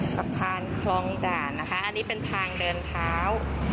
สะพานคลองด่านนะคะอันนี้เป็นทางเดินเท้า